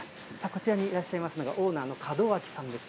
こちらにいらっしゃいますのが、オーナーの門脇さんです。